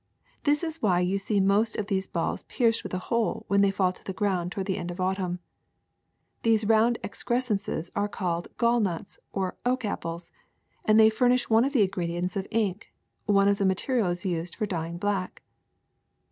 That is why you see most of these balls pierced with a hole when they fall to the ground toward the end of autumn. These round excrescences are called gall nuts or oak apples, and they furnish one of the ingredients of ink, one of the materials used for dyeing black.